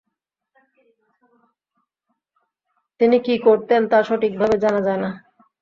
তিনি কী করতেন তা সঠিক ভাবে জানা যায় না।